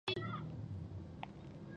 ازادي راډیو د ورزش د ستونزو رېښه بیان کړې.